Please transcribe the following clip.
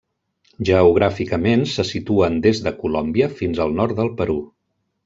Geogràficament se situen des de Colòmbia fins al nord del Perú.